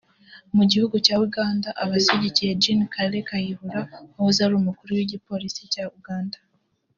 Mu gihugu cya Uganda abashyigikiye Gen Kale Kayihura wahoze ari umukuru w’Igipolisi cya Uganda